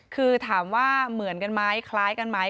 คือถามว่าเหมือนกันไหมคล้ายกันไหม